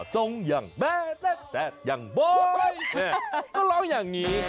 ตรงอย่างแบบนั้นแต่อย่างบ่อยก็ร้องอย่างนี้